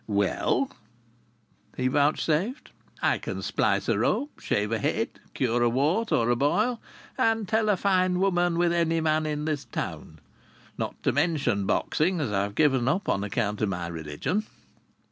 "Well," he vouchsafed, "I can splice a rope, shave a head, cure a wart or a boil, and tell a fine woman with any man in this town. Not to mention boxing, as I've given up on account of my religion."